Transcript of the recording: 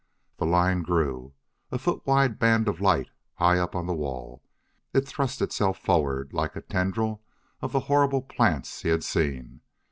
The line grew: a foot wide band of light high up on the wall, it thrust itself forward like a tendril of the horrible plants he had seen.